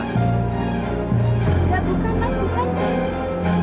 nggak bukan mas bukan